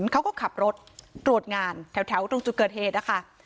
เขาก็ขับขับรถตรวจงานแถวแถวตรงจุเกอร์เททนะคะ